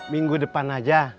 minggu depan aja